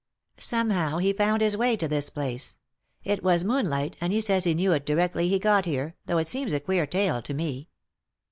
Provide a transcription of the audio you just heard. Somehow he found his way to this place ; it was moonlight, and he says he knew it directly he got here, though it seems a queer tale to me.